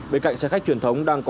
bên cạnh xe khách truyền thống